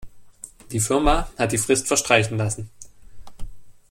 Die Firma hat die Frist verstreichen lassen.